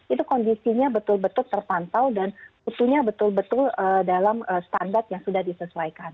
itu kondisinya betul betul terpantau dan butuhnya betul betul dalam standar yang sudah disesuaikan